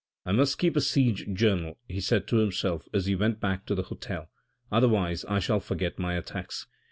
" I must keep a siege journal," he said to himself as he went back to the hotel, " otherwise I shall forget my attacks."